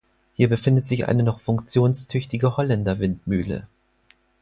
Hier befindet sich eine noch funktionstüchtige Holländerwindmühle.